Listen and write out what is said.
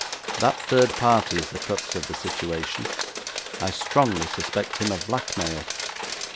That third party is the crux of the situation. I strongly suspect him of blackmail.